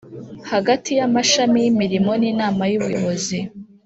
hagati y amashami y imirimo n inama y ubuyobozi